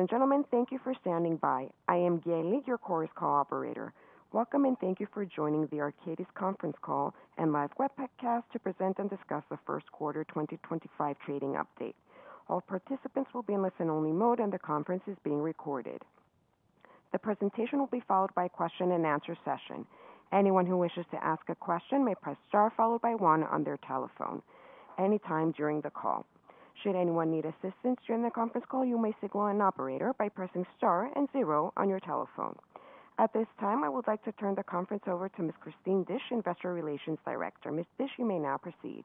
Ladies and gentlemen, thank you for standing by. I am Gail Lee, your chorus cooperator. Welcome and thank you for joining the Arcadis conference call and live web podcast to present and discuss the first-quarter 2025 trading update. All participants will be in listen-only mode, and the conference is being recorded. The presentation will be followed by a question-and-answer session. Anyone who wishes to ask a question may press star followed by one on their telephone anytime during the call. Should anyone need assistance during the conference call, you may signal an operator by pressing star and zero on your telephone. At this time, I would like to turn the conference over to Ms Christine Disch, Investor Relations Director. Ms. Disch, you may now proceed.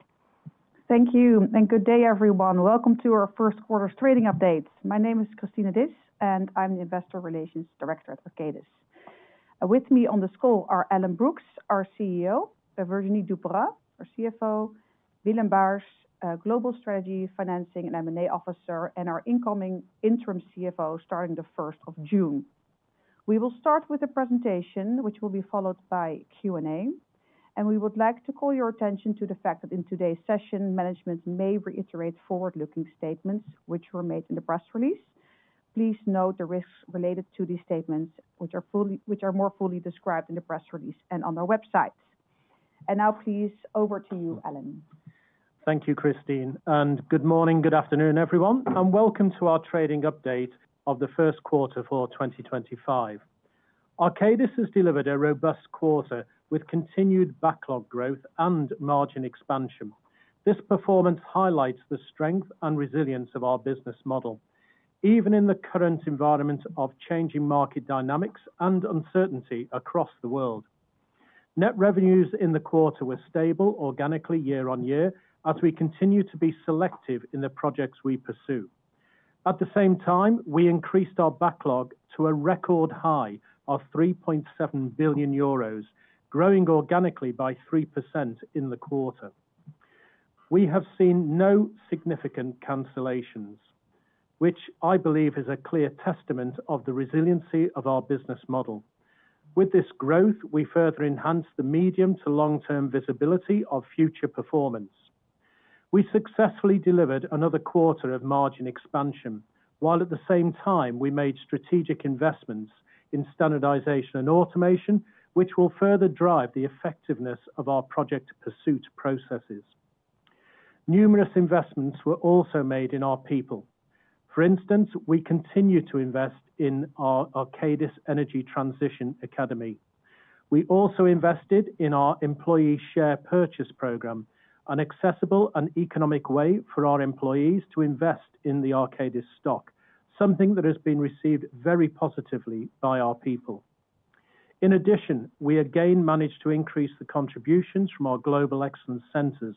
Thank you, and good day, everyone. Welcome to our first-quarter's trading updates. My name is Christine Disch, and I'm the Investor Relations Director at Arcadis. With me on the call are Alan Brookes, our CEO, Virginie Duperat, our CFO, Willem Baars, Global Strategy, Financing, and M&A Officer, and our incoming interim CFO starting the 1st of June. We will start with a presentation, which will be followed by Q&A, and we would like to call your attention to the fact that in today's session, management may reiterate forward-looking statements which were made in the press release. Please note the risks related to these statements, which are more fully described in the press release and on our website. Now, please, over to you, Alan. Thank you, Christine, and good morning, good afternoon, everyone, and welcome to our trading update of the first quarter for 2025. Arcadis has delivered a robust quarter with continued backlog growth and margin expansion. This performance highlights the strength and resilience of our business model, even in the current environment of changing market dynamics and uncertainty across the world. Net revenues in the quarter were stable organically year-on-year, as we continue to be selective in the projects we pursue. At the same time, we increased our backlog to a record high of 3.7 billion euros, growing organically by 3% in the quarter. We have seen no significant cancellations, which I believe is a clear testament of the resiliency of our business model. With this growth, we further enhanced the medium- to long-term visibility of future performance. We successfully delivered another quarter of margin expansion, while at the same time, we made strategic investments in standardization and automation, which will further drive the effectiveness of our project pursuit processes. Numerous investments were also made in our people. For instance, we continue to invest in our Arcadis Energy Transition Academy. We also invested in our Employee Share Purchase Program, an accessible and economic way for our employees to invest in the Arcadis stock, something that has been received very positively by our people. In addition, we again managed to increase the contributions from our Global Excellence Centers,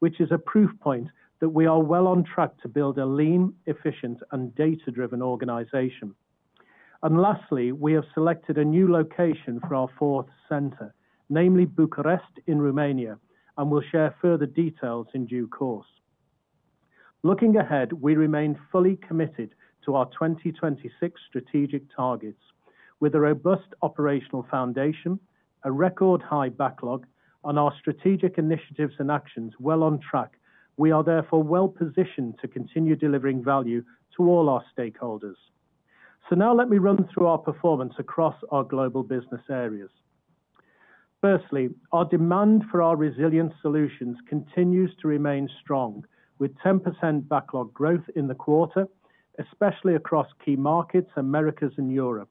which is a proof point that we are well on track to build a lean, efficient, and data-driven organization. Lastly, we have selected a new location for our fourth center, namely Bucharest in Romania, and we'll share further details in due course. Looking ahead, we remain fully committed to our 2026 strategic targets. With a robust operational foundation, a record high backlog, and our strategic initiatives and actions well on track, we are therefore well positioned to continue delivering value to all our stakeholders. Now, let me run through our performance across our global business areas. Firstly, demand for our resilient solutions continues to remain strong, with 10% backlog growth in the quarter, especially across key markets in America and Europe.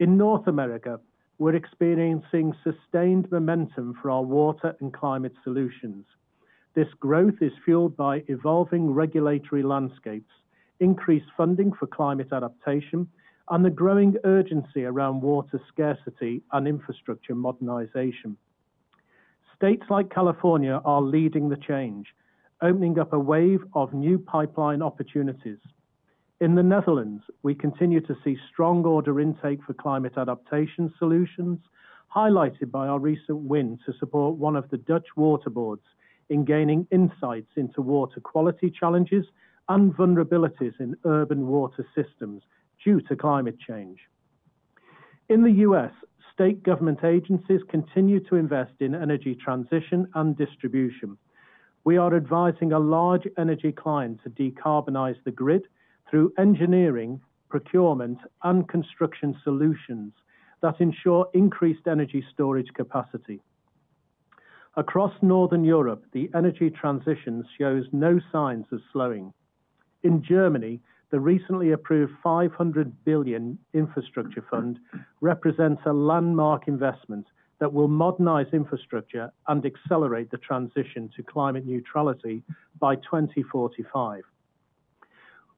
In North America, we're experiencing sustained momentum for our water and climate solutions. This growth is fueled by evolving regulatory landscapes, increased funding for climate adaptation, and the growing urgency around water scarcity and infrastructure modernization. States like California are leading the change, opening up a wave of new pipeline opportunities. In the Netherlands, we continue to see strong order intake for climate adaptation solutions, highlighted by our recent win to support one of the Dutch Water Boards in gaining insights into water quality challenges and vulnerabilities in urban water systems due to climate change. In the U.S., state government agencies continue to invest in energy transition and distribution. We are advising a large energy client to decarbonize the grid through engineering, procurement, and construction solutions that ensure increased energy storage capacity. Across Northern Europe, the energy transition shows no signs of slowing. In Germany, the recently approved 500 billion infrastructure fund represents a landmark investment that will modernize infrastructure and accelerate the transition to climate neutrality by 2045.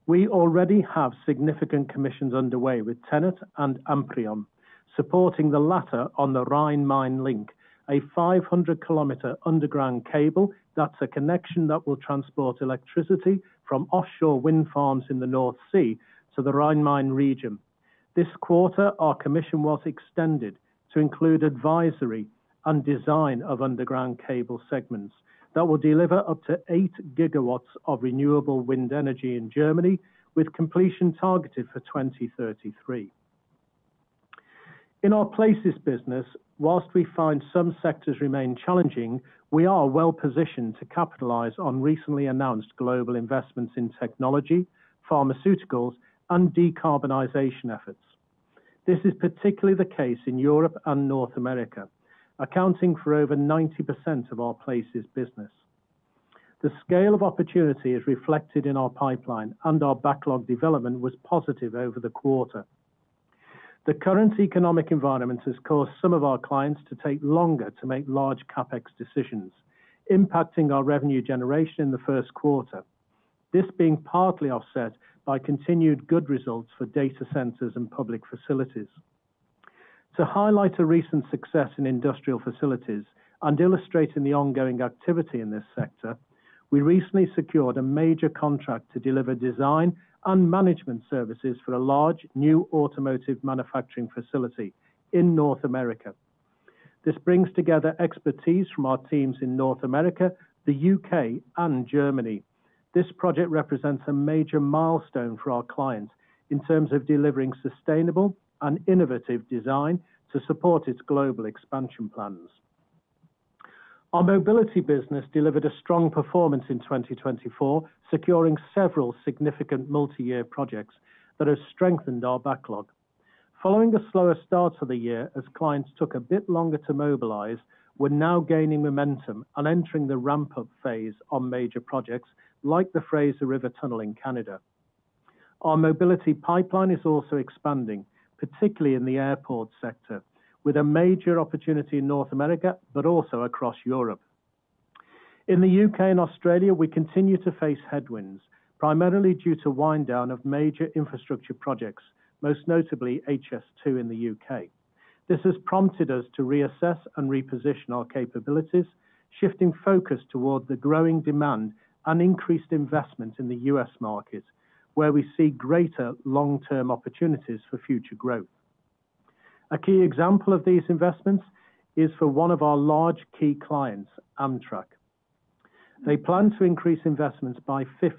We already have significant commissions underway with TenneT and Amprion, supporting the latter on the Rhein-Main link, a 500 km underground cable that's a connection that will transport electricity from offshore wind farms in the North Sea to the Rhein-Main region. This quarter, our commission was extended to include advisory and design of underground cable segments that will deliver up to 8 gigawatts of renewable wind energy in Germany, with completion targeted for 2033. In our places business, whilst we find some sectors remain challenging, we are well positioned to capitalize on recently announced global investments in technology, pharmaceuticals, and decarbonization efforts. This is particularly the case in Europe and North America, accounting for over 90% of our places business. The scale of opportunity is reflected in our pipeline, and our backlog development was positive over the quarter. The current economic environment has caused some of our clients to take longer to make large CapEx decisions, impacting our revenue generation in the first quarter, this being partly offset by continued good results for data centers and public facilities. To highlight a recent success in industrial facilities and illustrating the ongoing activity in this sector, we recently secured a major contract to deliver design and management services for a large new automotive manufacturing facility in North America. This brings together expertise from our teams in North America, the U.K., and Germany. This project represents a major milestone for our clients in terms of delivering sustainable and innovative design to support its global expansion plans. Our mobility business delivered a strong performance in 2024, securing several significant multi-year projects that have strengthened our backlog. Following the slower start of the year, as clients took a bit longer to mobilize, we're now gaining momentum and entering the ramp-up phase on major projects like the Fraser River Tunnel in Canada. Our mobility pipeline is also expanding, particularly in the airport sector, with a major opportunity in North America, but also across Europe. In the U.K. and Australia, we continue to face headwinds, primarily due to wind-down of major infrastructure projects, most notably HS2 in the U.K. This has prompted us to reassess and reposition our capabilities, shifting focus toward the growing demand and increased investment in the U.S. market, where we see greater long-term opportunities for future growth. A key example of these investments is for one of our large key clients, Amtrak. They plan to increase investments by 50%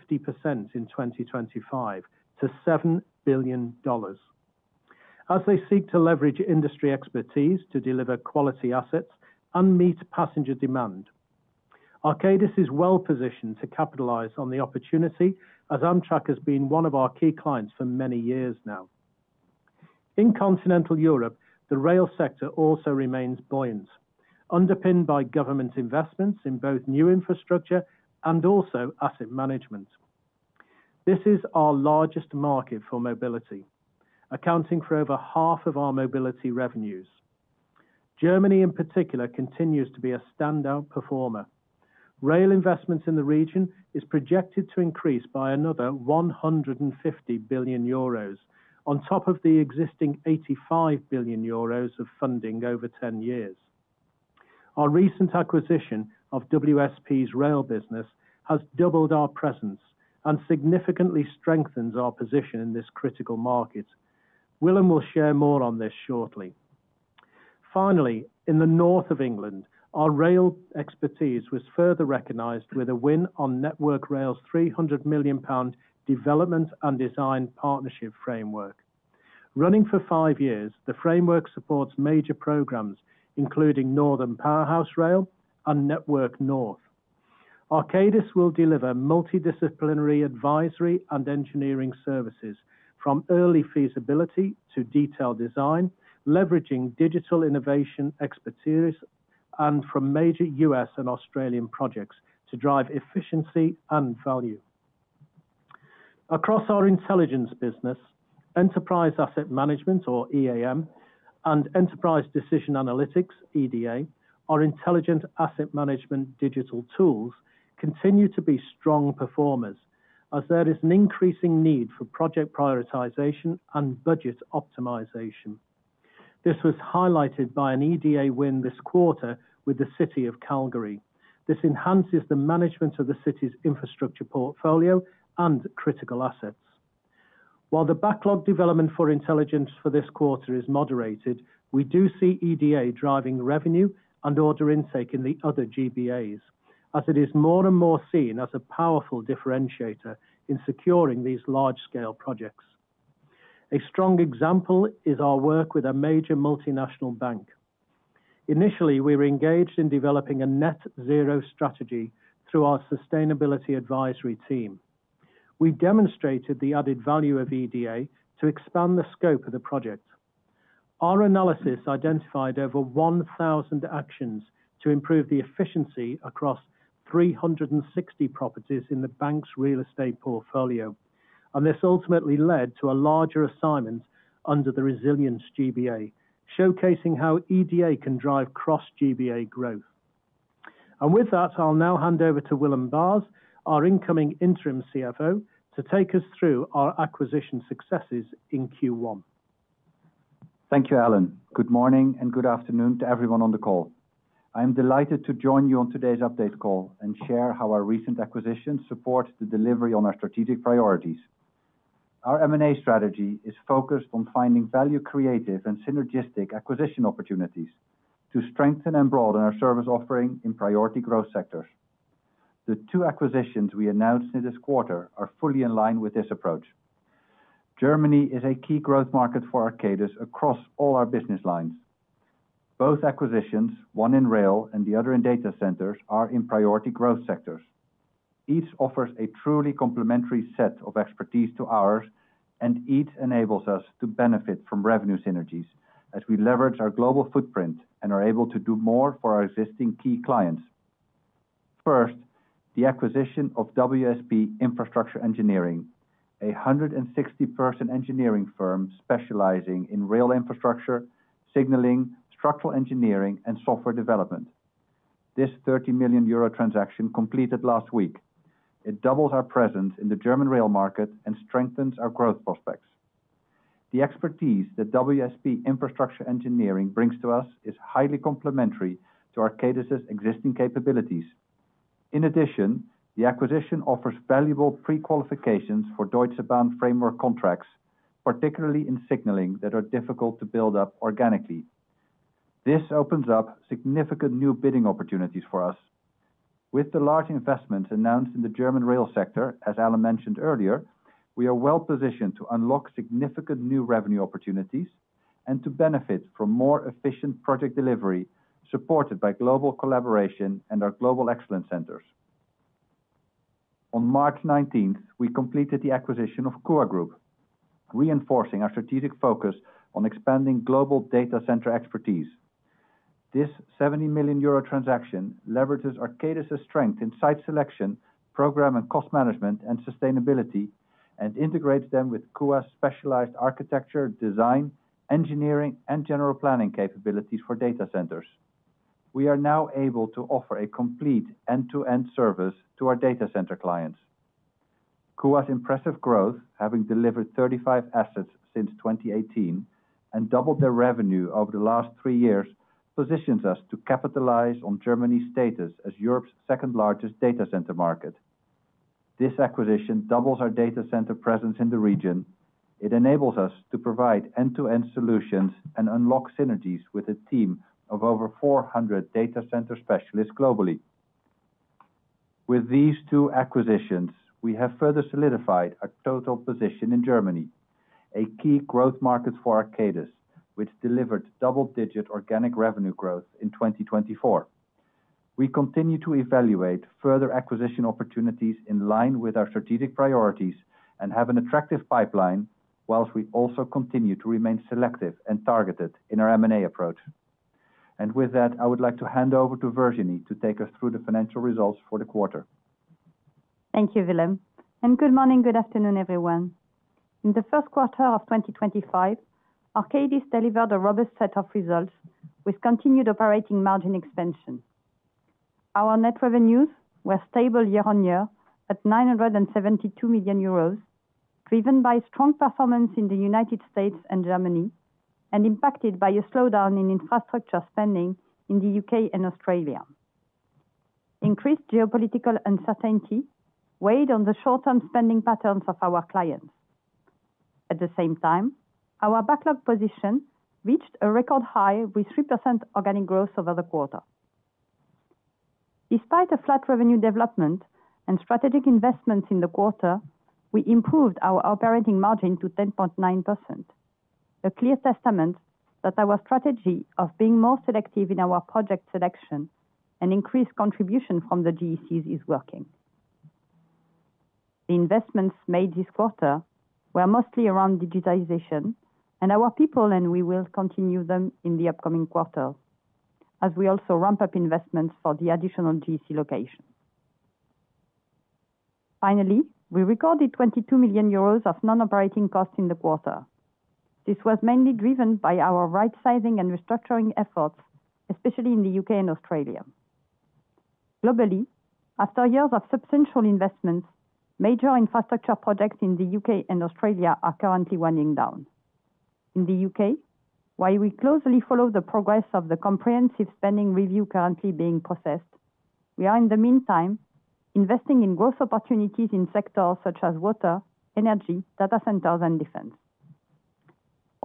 in 2025 to $7 billion, as they seek to leverage industry expertise to deliver quality assets and meet passenger demand. Arcadis is well positioned to capitalize on the opportunity, as Amtrak has been one of our key clients for many years now. In continental Europe, the rail sector also remains buoyant, underpinned by government investments in both new infrastructure and also asset management. This is our largest market for mobility, accounting for over half of our mobility revenues. Germany, in particular, continues to be a standout performer. Rail investments in the region are projected to increase by another 150 billion euros on top of the existing 85 billion euros of funding over 10 years. Our recent acquisition of WSP's rail business has doubled our presence and significantly strengthened our position in this critical market. Willem will share more on this shortly. Finally, in the north of England, our rail expertise was further recognized with a win on Network Rail's 300 million pound development and design partnership framework. Running for five years, the framework supports major programs, including Northern Powerhouse Rail and Network North. Arcadis will deliver multidisciplinary advisory and engineering services, from early feasibility to detailed design, leveraging digital innovation expertise, and from major U.S. and Australian projects to drive efficiency and value. Across our intelligence business, Enterprise Asset Management, or EAM, and Enterprise Decision Analytics, EDA, our intelligent asset management digital tools continue to be strong performers, as there is an increasing need for project prioritization and budget optimization. This was highlighted by an EDA win this quarter with the city of Calgary. This enhances the management of the city's infrastructure portfolio and critical assets. While the backlog development for Intelligence for this quarter is moderated, we do see EDA driving revenue and order intake in the other GBAs, as it is more and more seen as a powerful differentiator in securing these large-scale projects. A strong example is our work with a major multinational bank. Initially, we were engaged in developing a net-zero strategy through our Sustainability Advisory team. We demonstrated the added value of EDA to expand the scope of the project. Our analysis identified over 1,000 actions to improve the efficiency across 360 properties in the bank's real estate portfolio, and this ultimately led to a larger assignment under the Resilience GBA, showcasing how EDA can drive cross-GBA growth. With that, I'll now hand over to Willem Baars, our incoming interim CFO, to take us through our acquisition successes in Q1. Thank you, Alan. Good morning and good afternoon to everyone on the call. I am delighted to join you on today's update call and share how our recent acquisitions support the delivery on our strategic priorities. Our M&A strategy is focused on finding value-creative and synergistic acquisition opportunities to strengthen and broaden our service offering in priority growth sectors. The two acquisitions we announced in this quarter are fully in line with this approach. Germany is a key growth market for Arcadis across all our business lines. Both acquisitions, one in rail and the other in data centers, are in priority growth sectors. Each offers a truly complementary set of expertise to ours, and each enables us to benefit from revenue synergies as we leverage our global footprint and are able to do more for our existing key clients. First, the acquisition of WSP Infrastructure Engineering, a 160-person engineering firm specializing in rail infrastructure, signaling, structural engineering, and software development. This 30 million euro transaction completed last week. It doubles our presence in the German rail market and strengthens our growth prospects. The expertise that WSP Infrastructure Engineering brings to us is highly complementary to Arcadis's existing capabilities. In addition, the acquisition offers valuable pre-qualifications for Deutsche Bahn framework contracts, particularly in signaling that are difficult to build up organically. This opens up significant new bidding opportunities for us. With the large investments announced in the German rail sector, as Alan Brookes mentioned earlier, we are well positioned to unlock significant new revenue opportunities and to benefit from more efficient project delivery supported by global collaboration and our Global Excellence Centers. On March 19, we completed the acquisition of KURA Group, reinforcing our strategic focus on expanding global data center expertise. This 70 million euro transaction leverages Arcadis's strength in site selection, program and cost management, and sustainability, and integrates them with KURA's specialized architecture, design, engineering, and general planning capabilities for data centers. We are now able to offer a complete end-to-end service to our data center clients. KURA's impressive growth, having delivered 35 assets since 2018 and doubled their revenue over the last three years, positions us to capitalize on Germany's status as Europe's second-largest data center market. This acquisition doubles our data center presence in the region. It enables us to provide end-to-end solutions and unlock synergies with a team of over 400 data center specialists globally. With these two acquisitions, we have further solidified our total position in Germany, a key growth market for Arcadis, which delivered double-digit organic revenue growth in 2024. We continue to evaluate further acquisition opportunities in line with our strategic priorities and have an attractive pipeline, whilst we also continue to remain selective and targeted in our M&A approach. With that, I would like to hand over to Virginie to take us through the financial results for the quarter. Thank you, Willem. Good morning, good afternoon, everyone. In the first quarter of 2025, Arcadis delivered a robust set of results with continued operating margin expansion. Our net revenues were stable year-on-year at 972 million euros, driven by strong performance in the United States and Germany, and impacted by a slowdown in infrastructure spending in the U.K. and Australia. Increased geopolitical uncertainty weighed on the short-term spending patterns of our clients. At the same time, our backlog position reached a record high with 3% organic growth over the quarter. Despite a flat revenue development and strategic investments in the quarter, we improved our operating margin to 10.9%, a clear testament that our strategy of being more selective in our project selection and increased contribution from the GECs is working. The investments made this quarter were mostly around digitization, and our people, and we will continue them in the upcoming quarter, as we also ramp up investments for the additional GEC location. Finally, we recorded 22 million euros of non-operating costs in the quarter. This was mainly driven by our right-sizing and restructuring efforts, especially in the U.K. and Australia. Globally, after years of substantial investments, major infrastructure projects in the U.K. and Australia are currently winding down. In the U.K., while we closely follow the progress of the comprehensive spending review currently being processed, we are, in the meantime, investing in growth opportunities in sectors such as water, energy, data centers, and defense.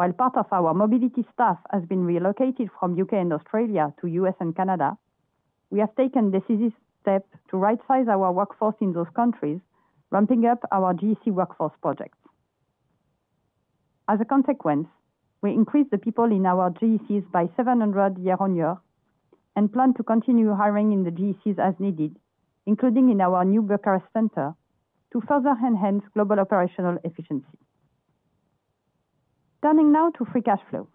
While part of our mobility staff has been relocated from U.K. and Australia to U.S. and Canada, we have taken decisive steps to right-size our workforce in those countries, ramping up our GEC workforce projects. As a consequence, we increased the people in our GECs by 700 year-on-year and plan to continue hiring in the GECs as needed, including in our new Bucharest center, to further enhance global operational efficiency. Turning now to free cash flow.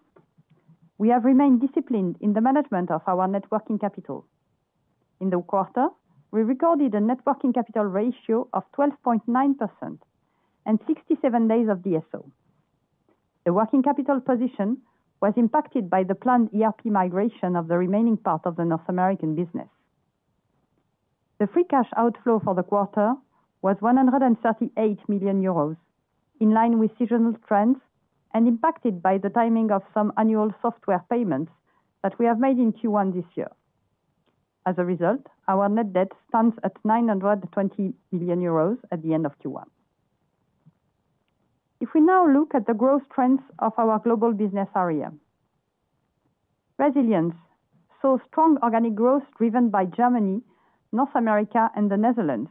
We have remained disciplined in the management of our net working capital. In the quarter, we recorded a net working capital ratio of 12.9% and 67 days of DSO. The working capital position was impacted by the planned ERP migration of the remaining part of the North American business. The free cash outflow for the quarter was 138 million euros, in line with seasonal trends and impacted by the timing of some annual software payments that we have made in Q1 this year. As a result, our net debt stands at 920 million euros at the end of Q1. If we now look at the growth trends of our global business area, Resilience saw strong organic growth driven by Germany, North America, and the Netherlands.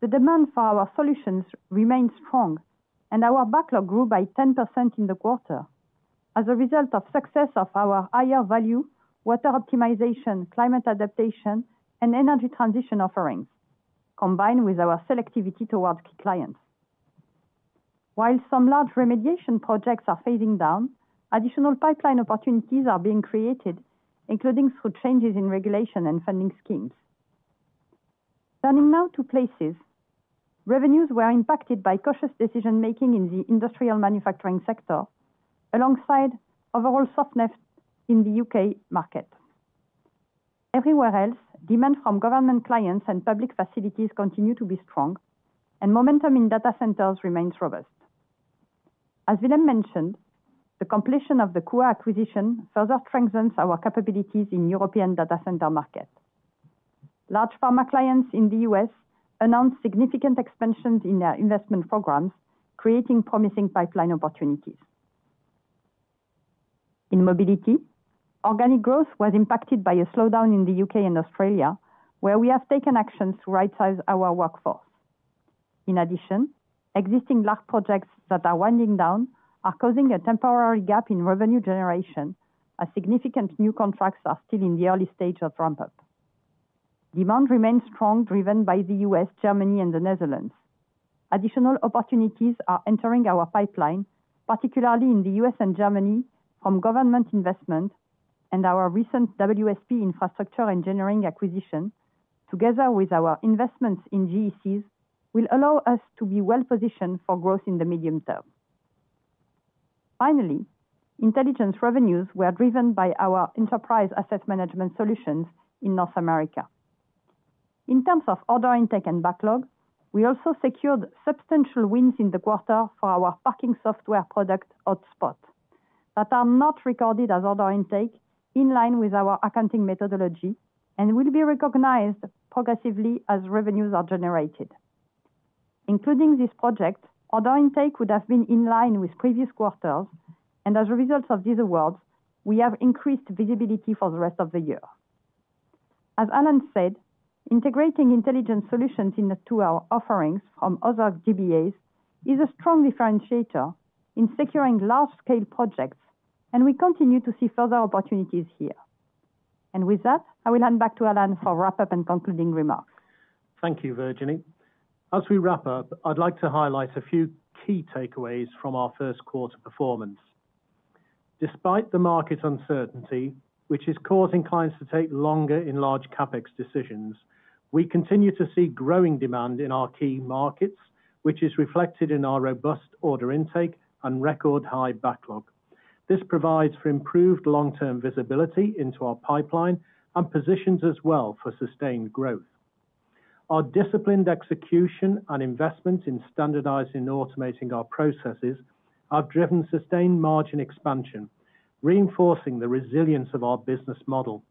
The demand for our solutions remained strong, and our backlog grew by 10% in the quarter as a result of the success of our higher-value water optimization, climate adaptation, and energy transition offerings, combined with our selectivity towards key clients. While some large remediation projects are phasing down, additional pipeline opportunities are being created, including through changes in regulation and funding schemes. Turning now to Places, revenues were impacted by cautious decision-making in the industrial manufacturing sector, alongside overall softness in the U.K. market. Everywhere else, demand from government clients and public facilities continues to be strong, and momentum in data centers remains robust. As Willem mentioned, the completion of the KURA acquisition further strengthens our capabilities in the European data center market. Large pharma clients in the U.S. announced significant expansions in their investment programs, creating promising pipeline opportunities. In mobility, organic growth was impacted by a slowdown in the U.K. and Australia, where we have taken actions to right-size our workforce. In addition, existing large projects that are winding down are causing a temporary gap in revenue generation, as significant new contracts are still in the early stage of ramp-up. Demand remains strong, driven by the U.S., Germany, and the Netherlands. Additional opportunities are entering our pipeline, particularly in the U.S. and Germany, from government investment, and our recent WSP Infrastructure Engineering acquisition, together with our investments in GECs, will allow us to be well positioned for growth in the medium term. Finally, intelligence revenues were driven by our Enterprise Asset Management solutions in North America. In terms of order intake and backlog, we also secured substantial wins in the quarter for our parking software product, HotSpot, that are not recorded as order intake, in line with our accounting methodology, and will be recognized progressively as revenues are generated. Including this project, order intake would have been in line with previous quarters, and as a result of these awards, we have increased visibility for the rest of the year. As Alan said, integrating intelligence solutions into our offerings from other GBAs is a strong differentiator in securing large-scale projects, and we continue to see further opportunities here. With that, I will hand back to Alan for wrap-up and concluding remarks. Thank you, Virginie. As we wrap up, I'd like to highlight a few key takeaways from our first quarter performance. Despite the market uncertainty, which is causing clients to take longer in large CapEx decisions, we continue to see growing demand in our key markets, which is reflected in our robust order intake and record-high backlog. This provides for improved long-term visibility into our pipeline and positions us well for sustained growth. Our disciplined execution and investments in standardizing and automating our processes have driven sustained margin expansion, reinforcing the resilience of our business model.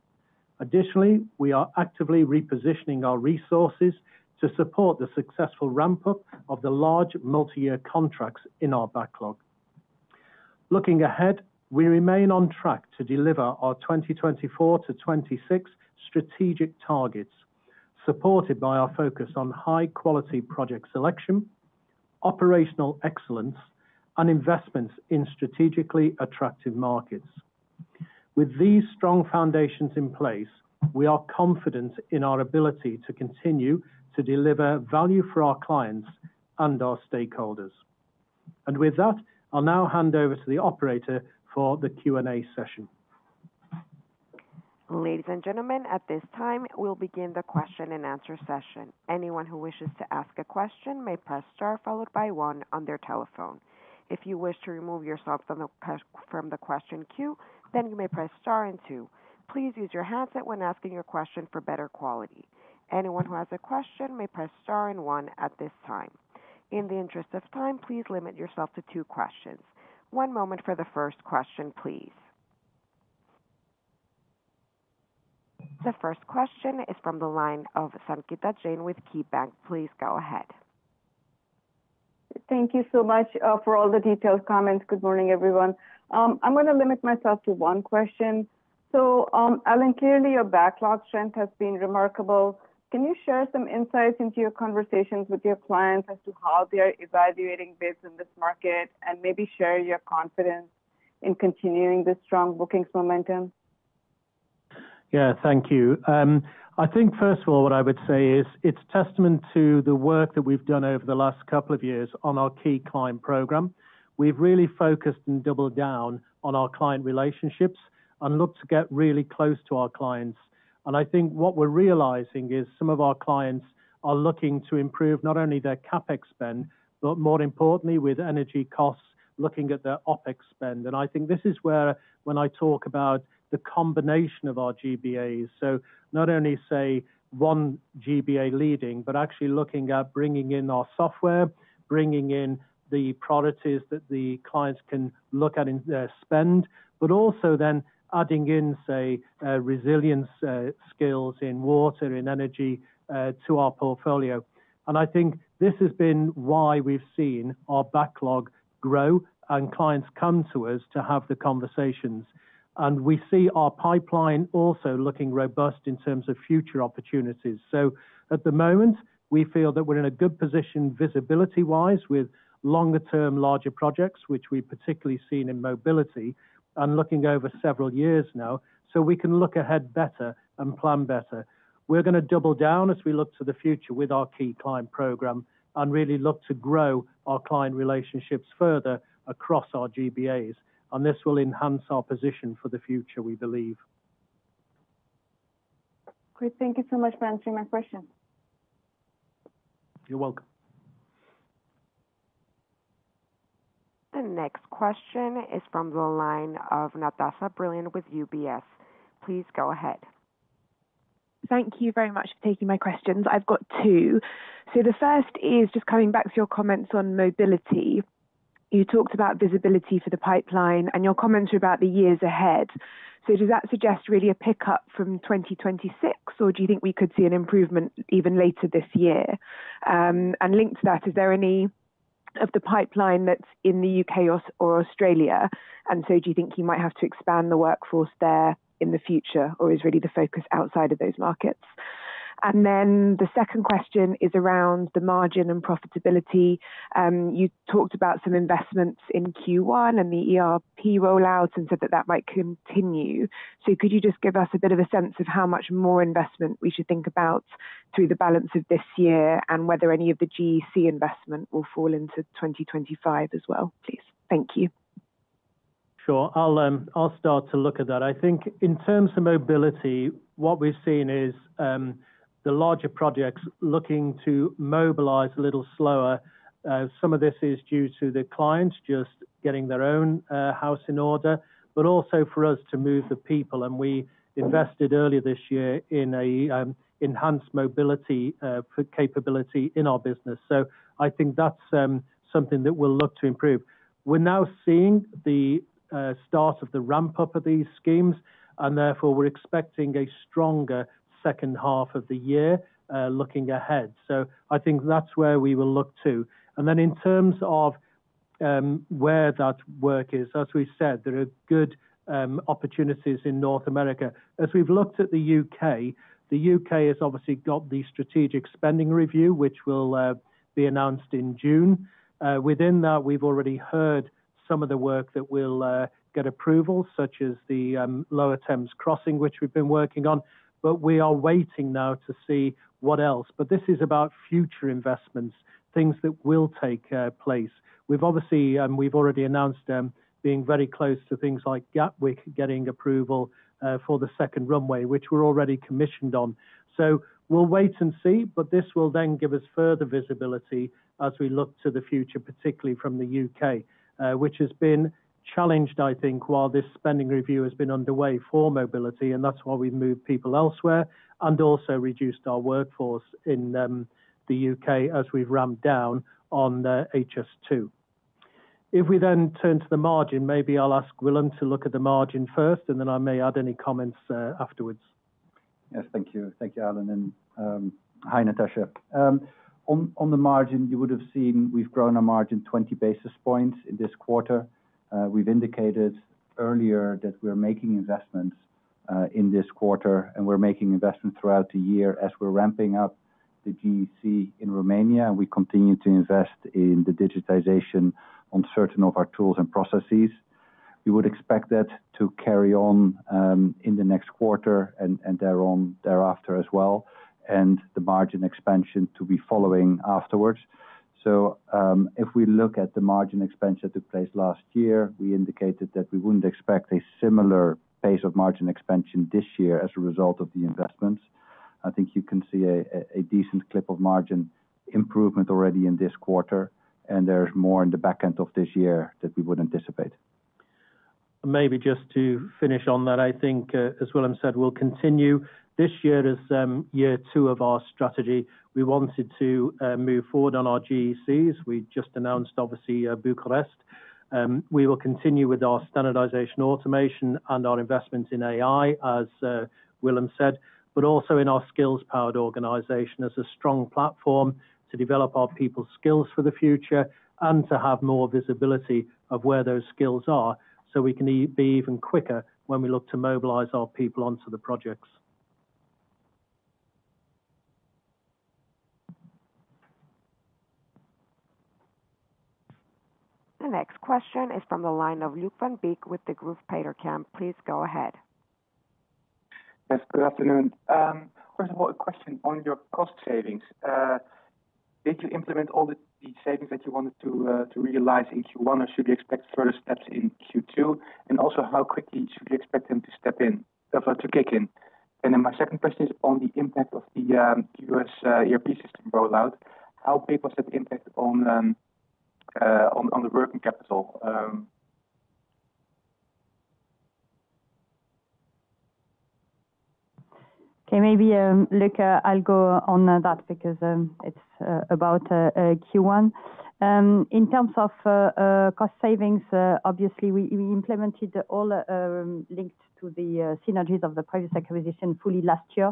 Additionally, we are actively repositioning our resources to support the successful ramp-up of the large multi-year contracts in our backlog. Looking ahead, we remain on track to deliver our 2024 to 2026 strategic targets, supported by our focus on high-quality project selection, operational excellence, and investments in strategically attractive markets. With these strong foundations in place, we are confident in our ability to continue to deliver value for our clients and our stakeholders. With that, I'll now hand over to the operator for the Q&A session. Ladies and gentlemen, at this time, we'll begin the question-and-answer session. Anyone who wishes to ask a question may press star followed by one on their telephone. If you wish to remove yourself from the question queue, then you may press star and two. Please use your handset when asking your question for better quality. Anyone who has a question may press star and one at this time. In the interest of time, please limit yourself to two questions. One moment for the first question, please. The first question is from the line of Sangita Jain with Key Banc. Please go ahead. Thank you so much for all the detailed comments. Good morning, everyone. I'm going to limit myself to one question. Alan, clearly, your backlog strength has been remarkable. Can you share some insights into your conversations with your clients as to how they are evaluating bids in this market and maybe share your confidence in continuing this strong bookings momentum? Yeah, thank you. I think, first of all, what I would say is it's testament to the work that we've done over the last couple of years on our key client program. We've really focused and doubled down on our client relationships and looked to get really close to our clients. I think what we're realizing is some of our clients are looking to improve not only their CapEx spend, but more importantly, with energy costs, looking at their OpEx spend. I think this is where, when I talk about the combination of our GBAs, not only, say, one GBA leading, but actually looking at bringing in our software, bringing in the priorities that the clients can look at in their spend, but also then adding in, say, resilience skills in water and energy to our portfolio. I think this has been why we've seen our backlog grow and clients come to us to have the conversations. We see our pipeline also looking robust in terms of future opportunities. At the moment, we feel that we're in a good position visibility-wise with longer-term, larger projects, which we've particularly seen in mobility and looking over several years now, so we can look ahead better and plan better. We're going to double down as we look to the future with our key client program and really look to grow our client relationships further across our GBAs. This will enhance our position for the future, we believe. Great. Thank you so much for answering my question. You're welcome. The next question is from the line of Natasha Caroline Brilliant with UBS. Please go ahead. Thank you very much for taking my questions. I've got two. The first is just coming back to your comments on mobility. You talked about visibility for the pipeline, and your comments are about the years ahead. Does that suggest really a pickup from 2026, or do you think we could see an improvement even later this year? Linked to that, is there any of the pipeline that's in the U.K. or Australia? Do you think you might have to expand the workforce there in the future, or is really the focus outside of those markets? The second question is around the margin and profitability. You talked about some investments in Q1 and the ERP rollout and said that that might continue. Could you just give us a bit of a sense of how much more investment we should think about through the balance of this year and whether any of the GEC investment will fall into 2025 as well, please? Thank you. Sure. I'll start to look at that. I think in terms of mobility, what we've seen is the larger projects looking to mobilize a little slower. Some of this is due to the clients just getting their own house in order, but also for us to move the people. We invested earlier this year in an enhanced mobility capability in our business. I think that's something that we'll look to improve. We're now seeing the start of the ramp-up of these schemes, and therefore, we're expecting a stronger second half of the year looking ahead. I think that's where we will look to. In terms of where that work is, as we said, there are good opportunities in North America. As we've looked at the U.K., the U.K. has obviously got the strategic spending review, which will be announced in June. Within that, we've already heard some of the work that will get approval, such as the Lower Thames Crossing, which we've been working on, but we are waiting now to see what else. This is about future investments, things that will take place. We've obviously already announced being very close to things like Gatwick getting approval for the second runway, which we're already commissioned on. We'll wait and see, but this will then give us further visibility as we look to the future, particularly from the U.K., which has been challenged, I think, while this spending review has been underway for mobility, and that's why we've moved people elsewhere and also reduced our workforce in the U.K. as we've ramped down on HS2. If we then turn to the margin, maybe I'll ask Willem to look at the margin first, and then I may add any comments afterwards. Yes, thank you. Thank you, Alan. Hi, Natasha. On the margin, you would have seen we've grown our margin 20 basis points in this quarter. We've indicated earlier that we're making investments in this quarter, and we're making investments throughout the year as we're ramping up the GEC in Romania, and we continue to invest in the digitization on certain of our tools and processes. We would expect that to carry on in the next quarter and thereafter as well, and the margin expansion to be following afterwards. If we look at the margin expansion that took place last year, we indicated that we wouldn't expect a similar pace of margin expansion this year as a result of the investments. I think you can see a decent clip of margin improvement already in this quarter, and there's more in the back end of this year that we would anticipate. Maybe just to finish on that, I think, as Willem said, we'll continue. This year is year two of our strategy. We wanted to move forward on our GECs. We just announced, obviously, Bucharest. We will continue with our standardization, automation, and our investments in AI, as Willem said, but also in our skills-powered organization as a strong platform to develop our people's skills for the future and to have more visibility of where those skills are so we can be even quicker when we look to mobilize our people onto the projects. The next question is from the line of Luuk Van Beek with The Idea-Driven Equities Analyses Company. Please go ahead. Yes, good afternoon. First of all, a question on your cost savings. Did you implement all the savings that you wanted to realize in Q1, or should you expect further steps in Q2, and also how quickly should you expect them to step in, to kick in? My second question is on the impact of the U.S. ERP system rollout. How big was that impact on the working capital? Okay, maybe Luca will go on that because it's about Q1. In terms of cost savings, obviously, we implemented all linked to the synergies of the private sector position fully last year.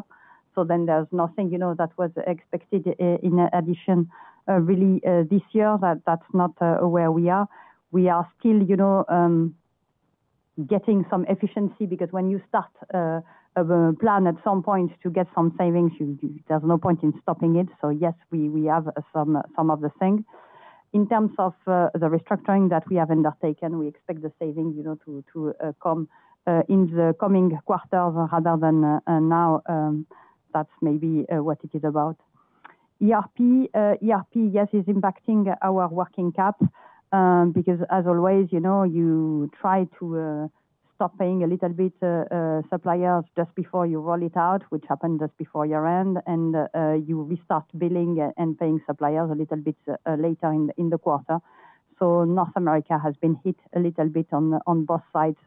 There is nothing that was expected in addition really this year, that's not where we are. We are still getting some efficiency because when you start a plan at some point to get some savings, there's no point in stopping it. Yes, we have some of the things. In terms of the restructuring that we have undertaken, we expect the savings to come in the coming quarter rather than now. That's maybe what it is about. ERP, yes, is impacting our working cap because, as always, you try to stop paying a little bit to suppliers just before you roll it out, which happened just before year-end, and you restart billing and paying suppliers a little bit later in the quarter. North America has been hit a little bit on both sides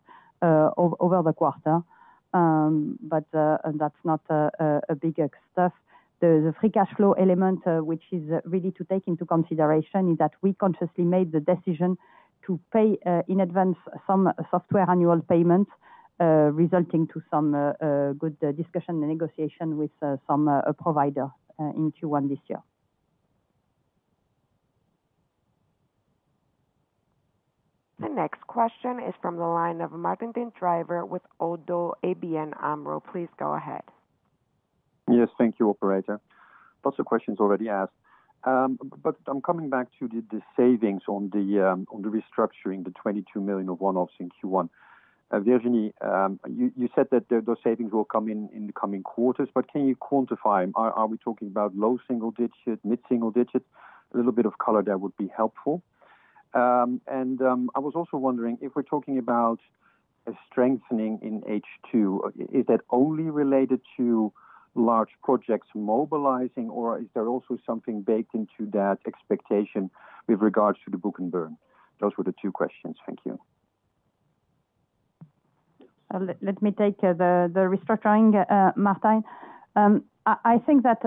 over the quarter, but that's not a big stuff. The free cash flow element, which is really to take into consideration, is that we consciously made the decision to pay in advance some software annual payments, resulting in some good discussion and negotiation with some provider in Q1 this year. The next question is from the line of Martijn P. den Drijver with ODDO BHF and ABN AMRO. Please go ahead. Yes, thank you, Operator. Lots of questions already asked. I am coming back to the savings on the restructuring, the 22 million of one-offs in Q1. Virginie, you said that those savings will come in the coming quarters, but can you quantify? Are we talking about low single digit, mid single digit? A little bit of color there would be helpful. I was also wondering, if we are talking about a strengthening in H2, is that only related to large projects mobilizing, or is there also something baked into that expectation with regards to the book and burn? Those were the two questions. Thank you. Let me take the restructuring, Martin. I think that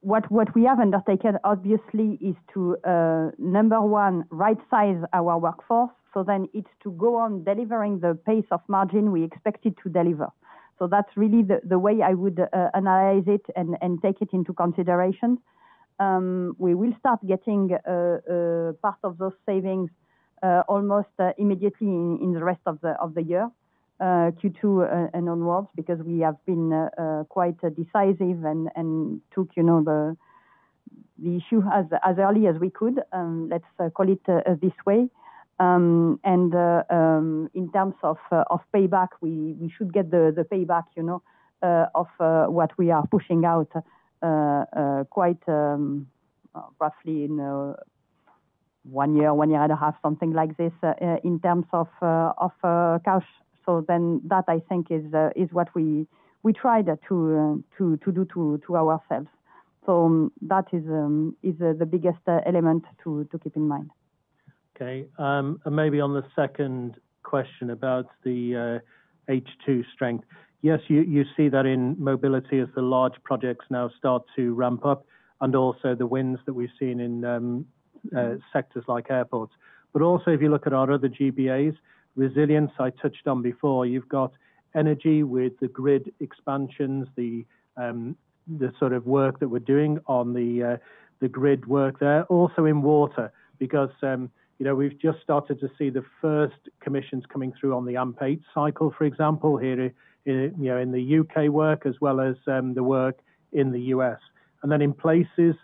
what we have undertaken, obviously, is to, number one, right-size our workforce. Then it is to go on delivering the pace of margin we expected to deliver. That is really the way I would analyze it and take it into consideration. We will start getting part of those savings almost immediately in the rest of the year, Q2 and onwards, because we have been quite decisive and took the issue as early as we could, let's call it this way. In terms of payback, we should get the payback of what we are pushing out quite roughly in one year, one year and a half, something like this in terms of cash. That, I think, is what we tried to do to ourselves. That is the biggest element to keep in mind. Okay. Maybe on the second question about the H2 strength, yes, you see that in mobility as the large projects now start to ramp up and also the wins that we've seen in sectors like airports. If you look at our other GBAs, resilience, I touched on before. You've got energy with the grid expansions, the sort of work that we're doing on the grid work there. Also in water, because we've just started to see the first commissions coming through on the AMP8 cycle, for example, here in the U.K. work as well as the work in the U.S. In places,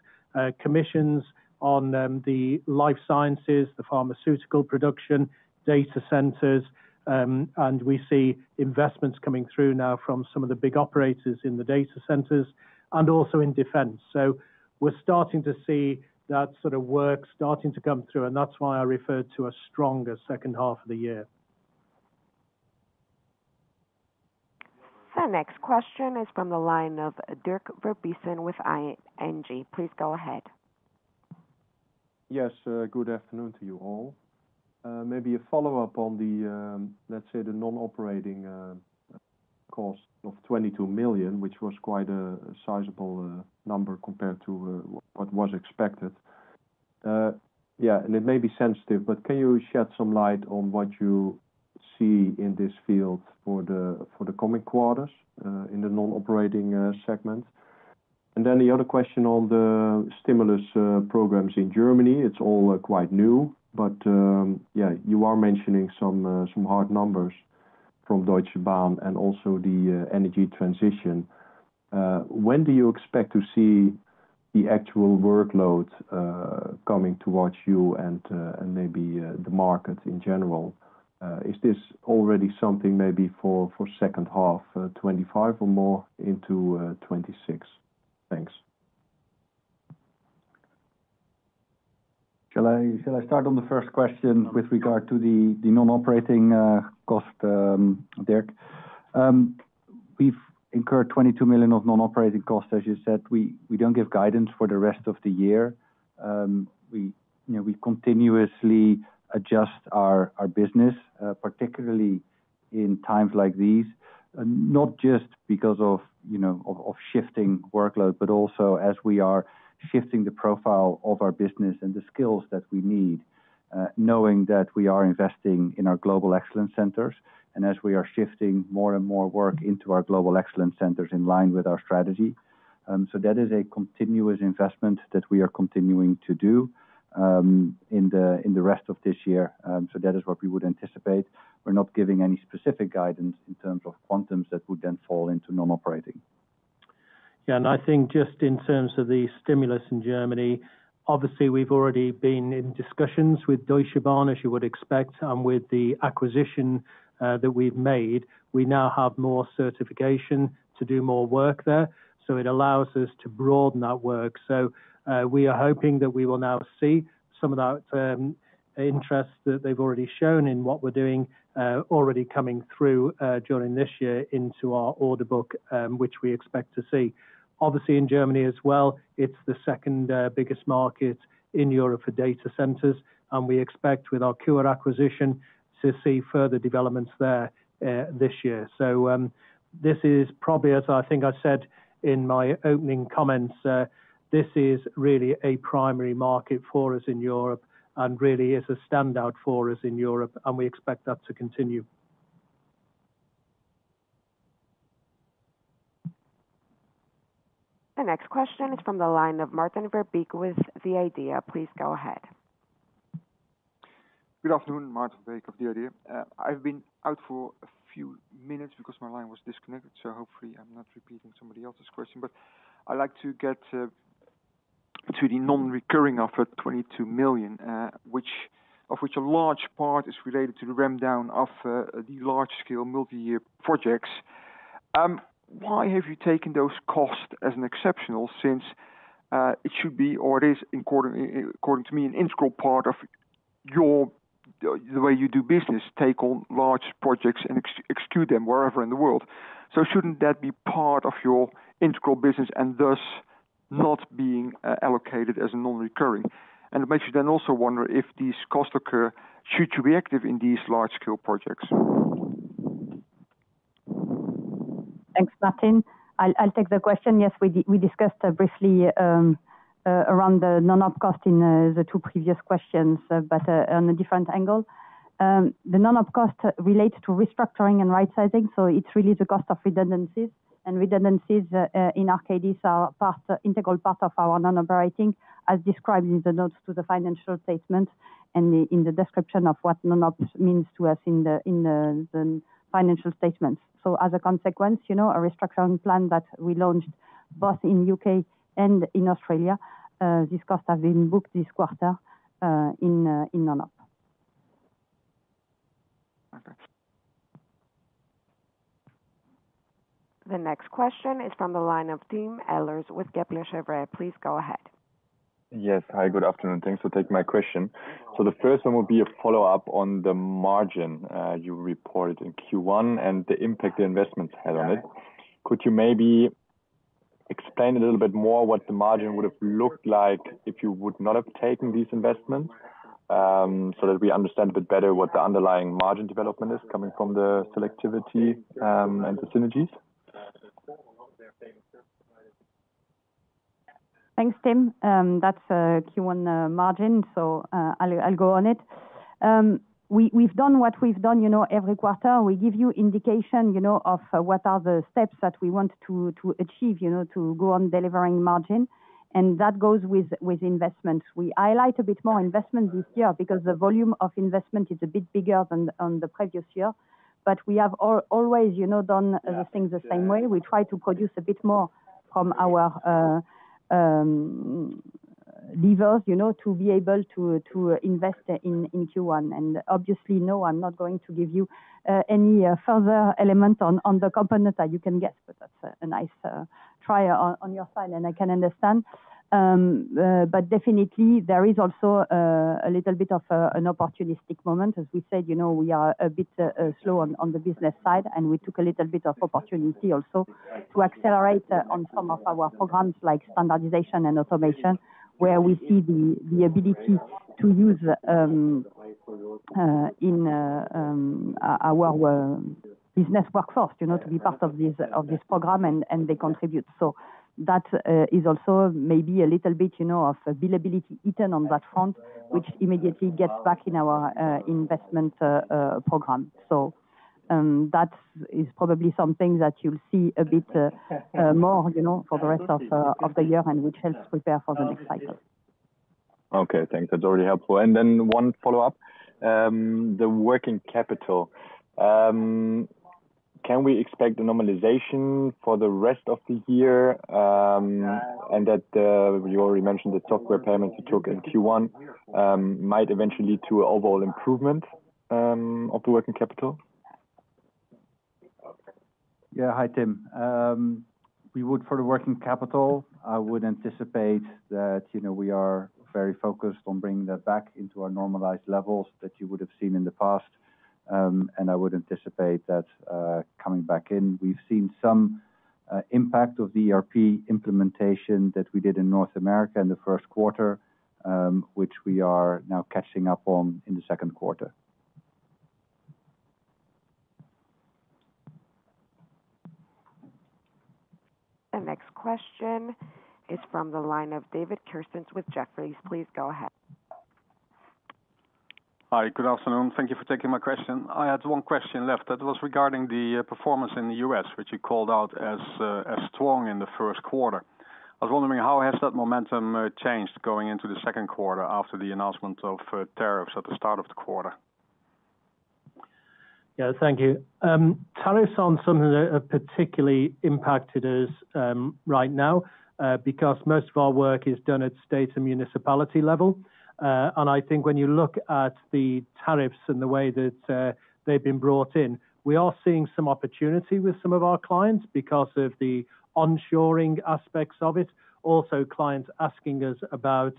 commissions on the life sciences, the pharmaceutical production, data centers. We see investments coming through now from some of the big operators in the data centers and also in defense. We're starting to see that sort of work starting to come through, and that's why I referred to a stronger second half of the year. The next question is from the line of Dirk Verbiesen with ING. Please go ahead. Yes, good afternoon to you all. Maybe a follow-up on the, let's say, the non-operating cost of $22 million, which was quite a sizable number compared to what was expected. Yeah, and it may be sensitive, but can you shed some light on what you see in this field for the coming quarters in the non-operating segment? The other question on the stimulus programs in Germany, it's all quite new, but yeah, you are mentioning some hard numbers from Deutsche Bahn and also the energy transition. When do you expect to see the actual workload coming towards you and maybe the market in general? Is this already something maybe for second half 2025 or more into 2026? Thanks. Shall I start on the first question with regard to the non-operating cost, Dirk? We've incurred €22 million of non-operating costs, as you said. We don't give guidance for the rest of the year. We continuously adjust our business, particularly in times like these, not just because of shifting workload, but also as we are shifting the profile of our business and the skills that we need, knowing that we are investing in our Global Excellence Centers and as we are shifting more and more work into our Global Excellence Centers in line with our strategy. That is a continuous investment that we are continuing to do in the rest of this year. That is what we would anticipate. We're not giving any specific guidance in terms of quantums that would then fall into non-operating. Yeah, and I think just in terms of the stimulus in Germany, obviously, we've already been in discussions with Deutsche Bahn, as you would expect, and with the acquisition that we've made. We now have more certification to do more work there, so it allows us to broaden that work. We are hoping that we will now see some of that interest that they've already shown in what we're doing already coming through during this year into our order book, which we expect to see. Obviously, in Germany as well, it's the second biggest market in Europe for data centers, and we expect with our KURA acquisition to see further developments there this year. This is probably, as I think I said in my opening comments, this is really a primary market for us in Europe and really is a standout for us in Europe, and we expect that to continue. The next question is from the line of Maarten Verbeek with The Idea-Driven Equities Analyses Company. Please go ahead. Good afternoon, Maarten Verbeek of The Idea. I've been out for a few minutes because my line was disconnected, so hopefully I'm not repeating somebody else's question, but I'd like to get to the non-recurring, offered €22 million, of which a large part is related to the ramp down of the large-scale multi-year projects. Why have you taken those costs as an exceptional since it should be, or it is, according to me, an integral part of the way you do business, take on large projects and execute them wherever in the world? Shouldn't that be part of your integral business and thus not being allocated as a non-recurring? It makes you then also wonder if these costs occur, should you be active in these large-scale projects. Thanks, Martin. I'll take the question. Yes, we discussed briefly around the non-op cost in the two previous questions, but on a different angle. The non-op cost relates to restructuring and right-sizing, so it's really the cost of redundancies. And redundancies in our case are an integral part of our non-operating, as described in the notes to the financial statements and in the description of what non-ops means to us in the financial statements. As a consequence, a restructuring plan that we launched both in the U.K. and in Australia, these costs have been booked this quarter in non-op. The next question is from the line of Dean Ehlers with Kepler Cheuvreux. Please go ahead. Yes, hi, good afternoon. Thanks for taking my question. The first one will be a follow-up on the margin you reported in Q1 and the impact the investments had on it. Could you maybe explain a little bit more what the margin would have looked like if you would not have taken these investments so that we understand a bit better what the underlying margin development is coming from the selectivity and the synergies? Thanks, Tim. That is a Q1 margin, so I'll go on it. We've done what we've done every quarter. We give you indication of what are the steps that we want to achieve to go on delivering margin, and that goes with investments. We highlight a bit more investment this year because the volume of investment is a bit bigger than the previous year, but we have always done things the same way. We try to produce a bit more from our levers to be able to invest in Q1. Obviously, no, I'm not going to give you any further element on the component that you can get, but that is a nice try on your side, and I can understand. Definitely, there is also a little bit of an opportunistic moment. As we said, we are a bit slow on the business side, and we took a little bit of opportunity also to accelerate on some of our programs like standardization and automation, where we see the ability to use in our business workforce to be part of this program, and they contribute. That is also maybe a little bit of billability eaten on that front, which immediately gets back in our investment program. That is probably something that you'll see a bit more for the rest of the year and which helps prepare for the next cycle. Okay, thanks. That's already helpful. One follow-up, the working capital. Can we expect the normalization for the rest of the year? You already mentioned the software payments you took in Q1 might eventually lead to an overall improvement of the working capital? Yeah, hi, Tim. For the working capital, I would anticipate that we are very focused on bringing that back into our normalized levels that you would have seen in the past. I would anticipate that coming back in, we've seen some impact of the ERP implementation that we did in North America in the first quarter, which we are now catching up on in the second quarter. The next question is from the line of David Kerstens with Jefferies. Please go ahead. Hi, good afternoon. Thank you for taking my question. I had one question left that was regarding the performance in the U.S., which you called out as strong in the first quarter. I was wondering how has that momentum changed going into the second quarter after the announcement of tariffs at the start of the quarter? Yeah, thank you. Tariffs are not something that are particularly impacted us right now because most of our work is done at state and municipality level. I think when you look at the tariffs and the way that they have been brought in, we are seeing some opportunity with some of our clients because of the onshoring aspects of it. Also, clients asking us about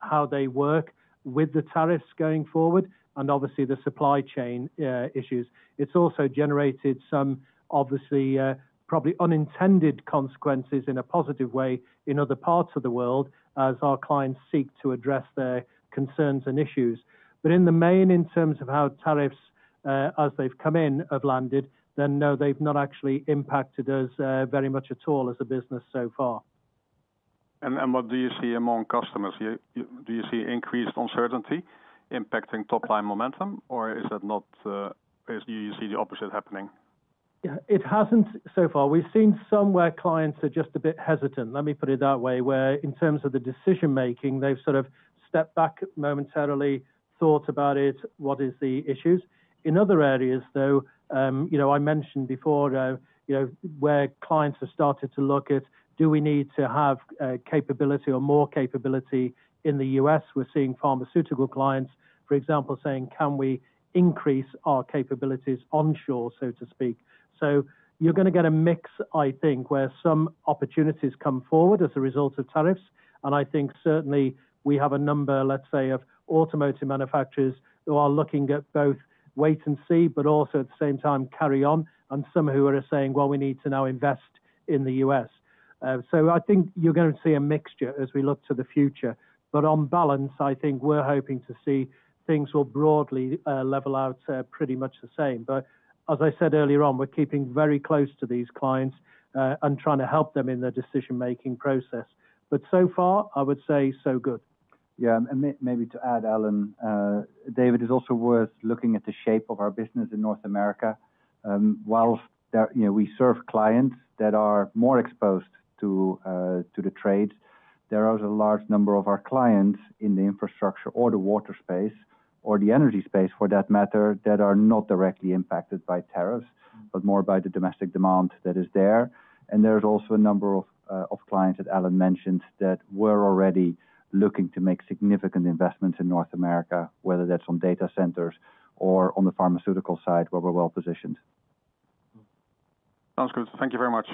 how they work with the tariffs going forward and obviously the supply chain issues. It has also generated some, obviously, probably unintended consequences in a positive way in other parts of the world as our clients seek to address their concerns and issues. In the main, in terms of how tariffs, as they have come in, have landed, then no, they have not actually impacted us very much at all as a business so far. What do you see among customers? Do you see increased uncertainty impacting top-line momentum, or is that not? Do you see the opposite happening? Yeah, it hasn't so far. We've seen some where clients are just a bit hesitant, let me put it that way, where in terms of the decision-making, they've sort of stepped back momentarily, thought about it, what is the issues. In other areas, though, I mentioned before where clients have started to look at, do we need to have capability or more capability in the U.S.? We're seeing pharmaceutical clients, for example, saying, can we increase our capabilities onshore, so to speak? You're going to get a mix, I think, where some opportunities come forward as a result of tariffs. I think certainly we have a number, let's say, of automotive manufacturers who are looking at both wait and see, but also at the same time carry on, and some who are saying, well, we need to now invest in the U.S. I think you're going to see a mixture as we look to the future. On balance, I think we're hoping to see things will broadly level out pretty much the same. As I said earlier on, we're keeping very close to these clients and trying to help them in their decision-making process. So far, I would say so good. Yeah, and maybe to add, Alan, David, it is also worth looking at the shape of our business in North America. While we serve clients that are more exposed to the trades, there are a large number of our clients in the infrastructure or the water space or the energy space, for that matter, that are not directly impacted by tariffs, but more by the domestic demand that is there. There is also a number of clients that Alan mentioned that were already looking to make significant investments in North America, whether that is on data centers or on the pharmaceutical side where we are well positioned. Sounds good. Thank you very much.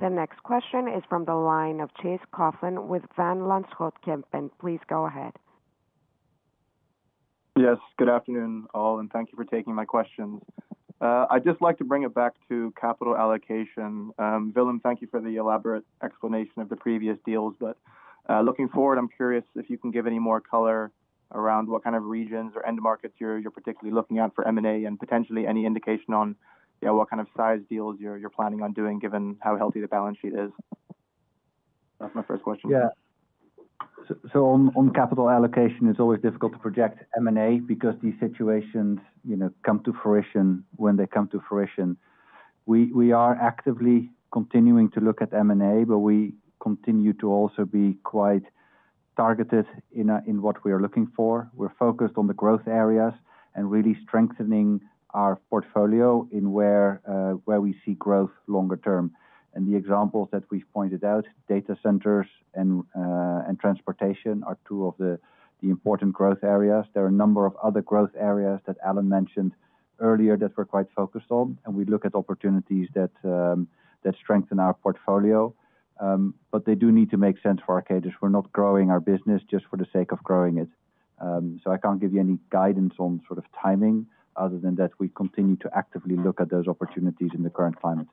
The next question is from the line of Chase Coughlan with Van Lanschot Kempen. Please go ahead. Yes, good afternoon all, and thank you for taking my questions. I'd just like to bring it back to capital allocation. Willem, thank you for the elaborate explanation of the previous deals, but looking forward, I'm curious if you can give any more color around what kind of regions or end markets you're particularly looking at for M&A and potentially any indication on what kind of size deals you're planning on doing given how healthy the balance sheet is. That's my first question. Yeah. On capital allocation, it's always difficult to project M&A because these situations come to fruition when they come to fruition. We are actively continuing to look at M&A, but we continue to also be quite targeted in what we are looking for. We're focused on the growth areas and really strengthening our portfolio in where we see growth longer term. The examples that we've pointed out, data centers and transportation, are two of the important growth areas. There are a number of other growth areas that Alan mentioned earlier that we're quite focused on, and we look at opportunities that strengthen our portfolio, but they do need to make sense for our caterers. We're not growing our business just for the sake of growing it. I can't give you any guidance on sort of timing other than that we continue to actively look at those opportunities in the current climate.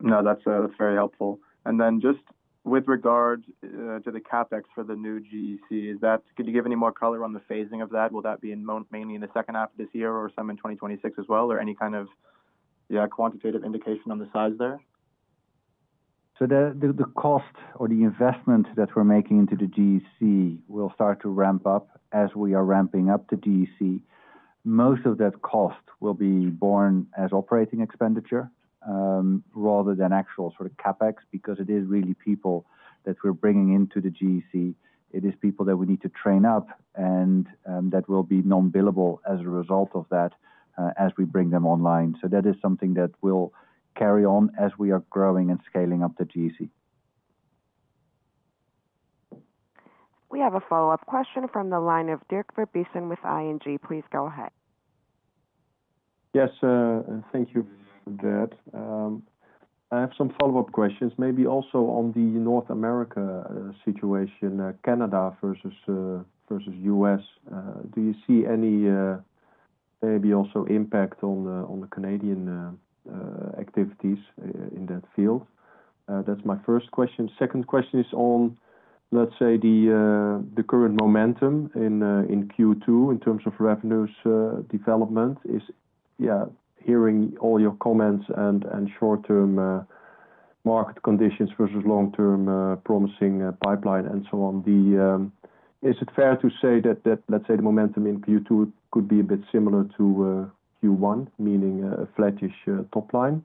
No, that's very helpful. And then just with regard to the CapEx for the new GEC, could you give any more color on the phasing of that? Will that be mainly in the second half of this year or some in 2026 as well, or any kind of, yeah, quantitative indication on the size there? The cost or the investment that we're making into the GEC will start to ramp up as we are ramping up the GEC. Most of that cost will be borne as operating expenditure rather than actual sort of CapEx because it is really people that we're bringing into the GEC. It is people that we need to train up and that will be non-billable as a result of that as we bring them online. That is something that will carry on as we are growing and scaling up the GEC. We have a follow-up question from the line of Dirk Verbiesen with ING. Please go ahead. Yes, thank you for that. I have some follow-up questions, maybe also on the North America situation, Canada versus U.S. Do you see any maybe also impact on the Canadian activities in that field? That is my first question. Second question is on, let's say, the current momentum in Q2 in terms of revenues development. Yeah, hearing all your comments and short-term market conditions versus long-term promising pipeline and so on, is it fair to say that, let's say, the momentum in Q2 could be a bit similar to Q1, meaning a flattish top line?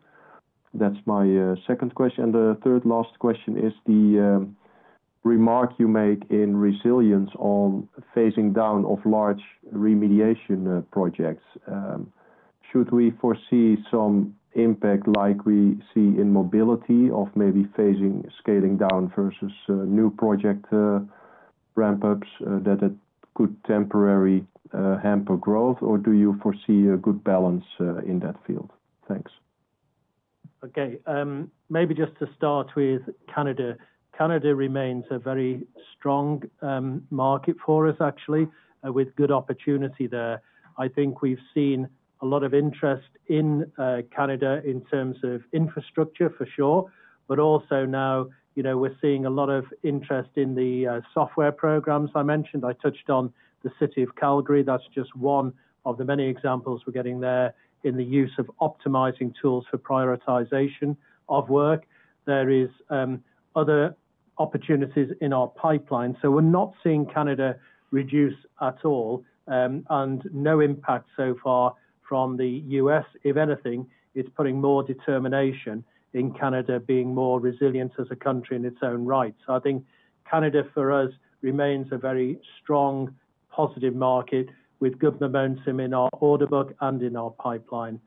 That is my second question. And the third last question is the remark you make in resilience on phasing down of large remediation projects. Should we foresee some impact like we see in Mobility of maybe phasing scaling down versus new project ramp-ups that could temporarily hamper growth, or do you foresee a good balance in that field? Thanks. Okay, maybe just to start with Canada. Canada remains a very strong market for us, actually, with good opportunity there. I think we've seen a lot of interest in Canada in terms of infrastructure for sure, but also now we're seeing a lot of interest in the software programs I mentioned. I touched on the City of Calgary. That's just one of the many examples we're getting there in the use of optimizing tools for prioritization of work. There are other opportunities in our pipeline. We're not seeing Canada reduce at all, and no impact so far from the U.S. If anything, it's putting more determination in Canada being more resilient as a country in its own right. I think Canada for us remains a very strong positive market with good momentum in our order book and in our pipeline.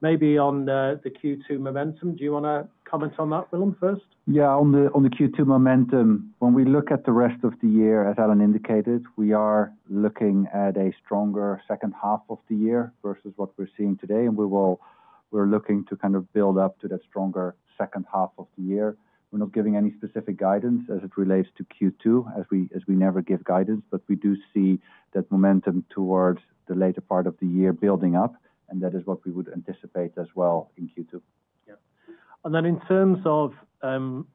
Maybe on the Q2 momentum, do you want to comment on that, Willem, first? Yeah, on the Q2 momentum, when we look at the rest of the year, as Alan indicated, we are looking at a stronger second half of the year versus what we're seeing today, and we're looking to kind of build up to that stronger second half of the year. We're not giving any specific guidance as it relates to Q2, as we never give guidance, but we do see that momentum towards the later part of the year building up, and that is what we would anticipate as well in Q2. Yeah. In terms of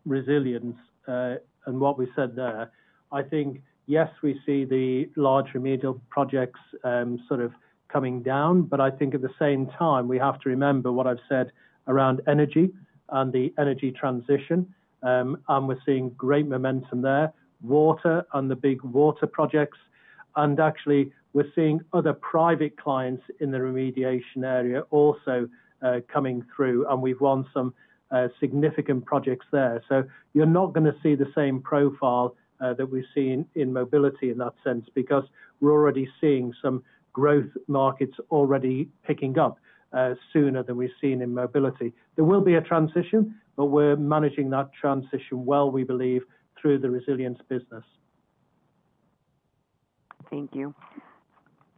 resilience and what we said there, I think, yes, we see the large remedial projects sort of coming down, but I think at the same time, we have to remember what I've said around energy and the energy transition, and we're seeing great momentum there, water and the big water projects. Actually, we're seeing other private clients in the remediation area also coming through, and we've won some significant projects there. You're not going to see the same profile that we've seen in mobility in that sense because we're already seeing some growth markets already picking up sooner than we've seen in mobility. There will be a transition, but we're managing that transition well, we believe, through the resilience business. Thank you.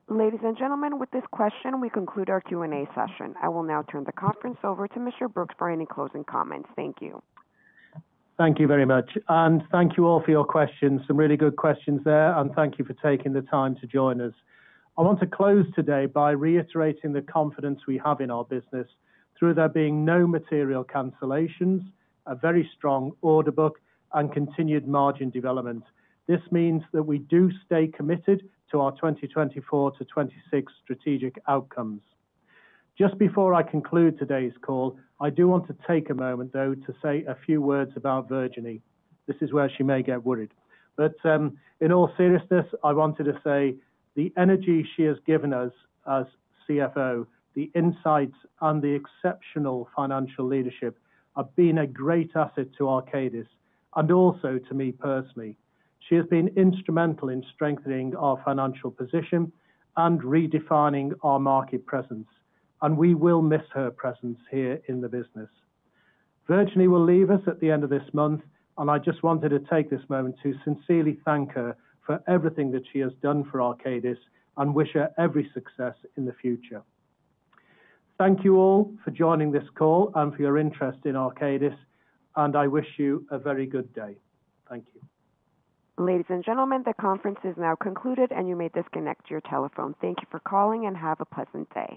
Ladies and gentlemen, with this question, we conclude our Q&A session. I will now turn the conference over to Mr. Brookes for any closing comments. Thank you. Thank you very much. Thank you all for your questions. Some really good questions there, and thank you for taking the time to join us. I want to close today by reiterating the confidence we have in our business through there being no material cancellations, a very strong order book, and continued margin development. This means that we do stay committed to our 2024 to 2026 strategic outcomes. Just before I conclude today's call, I do want to take a moment, though, to say a few words about Virginie. This is where she may get worried. In all seriousness, I wanted to say the energy she has given us as CFO, the insights, and the exceptional financial leadership have been a great asset to Arcadis and also to me personally. She has been instrumental in strengthening our financial position and redefining our market presence, and we will miss her presence here in the business. Virginie will leave us at the end of this month, and I just wanted to take this moment to sincerely thank her for everything that she has done for Arcadis and wish her every success in the future. Thank you all for joining this call and for your interest in Arcadis, and I wish you a very good day. Thank you. Ladies and gentlemen, the conference is now concluded, and you may disconnect your telephone. Thank you for calling and have a pleasant day.